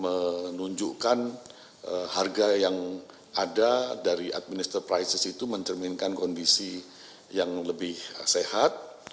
menunjukkan harga yang ada dari administra prices itu mencerminkan kondisi yang lebih sehat